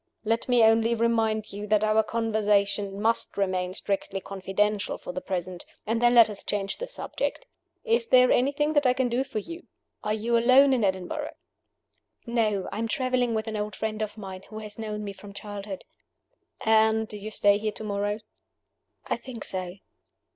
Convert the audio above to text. Let me only remind you that our conversation must remain strictly confidential for the present; and then let us change the subject. Is there anything that I can do for you? Are you alone in Edinburgh?" "No. I am traveling with an old friend of mine, who has known me from childhood." "And do you stay here to morrow?" "I think so."